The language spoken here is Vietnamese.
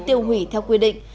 tiêu hủy theo quy định